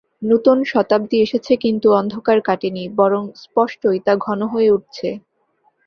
নূতন শতাব্দী এসেছে, কিন্তু অন্ধকার কাটেনি, বরং স্পষ্টই তা ঘন হয়ে উঠছে।